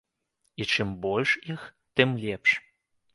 І чым больш іх, тым лепш.